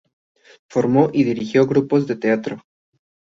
Formó y dirigió grupos de teatro.